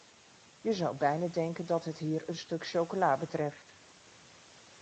Je zou bijna denken dat het hier een stuk chocola betreft...